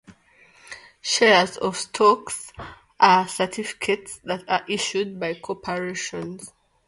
Shares of stock are certificates that are issued by corporations.